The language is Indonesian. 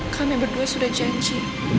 kami berdua sudah janji